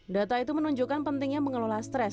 data itu menunjukkan pentingnya mengelola stres